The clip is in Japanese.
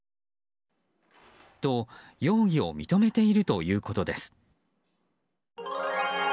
と、容疑を認めているということです。